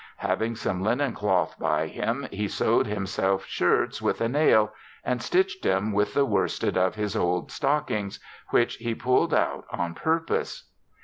Having some linen cloth by him, he sow'd himself shirts with a nail and stitch'd 'em with the worsted of his old stockings, which he pull'd out on pur pose.